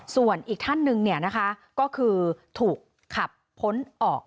ส่วนอีกท่านหนึ่งก็คือถูกขับพ้นออก